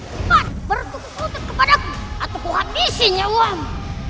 cepat bertukus lutut kepadaku atau kuhabisin ya uang